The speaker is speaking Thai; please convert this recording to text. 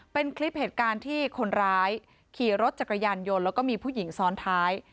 เป็นคลิปเหตุการณ์ที่คนร้ายขี่รถจักรยานยนต์แล้วก็มีผู้หญิงซ้อนท้าย